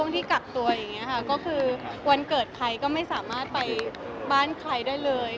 ที่กักตัวอย่างนี้ค่ะก็คือวันเกิดใครก็ไม่สามารถไปบ้านใครได้เลย